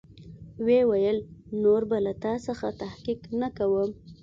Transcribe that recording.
ويې ويل نور به له تا څخه تحقيق نه کوم.